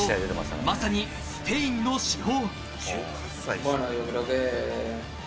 まさにスペインの至宝。